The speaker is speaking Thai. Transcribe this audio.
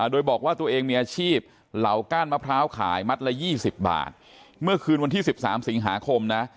โดยบอกว่าตัวเองมีอาชีพเหล่าก้านมะพร้าวขายมัดละ๒๐บาทเมื่อคืนวันที่๑๓สิงหาคมนะ